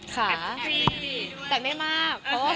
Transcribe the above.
ขา